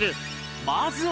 まずは